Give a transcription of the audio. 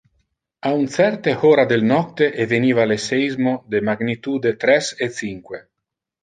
A un certe hora del nocte eveniva le seismo de magnitude tres e cinque.